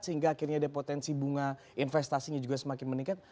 sehingga akhirnya ada potensi bunga investasinya juga semakin meningkat